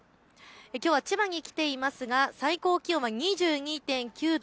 きょうは千葉に来ていますが最高気温は２２．９度。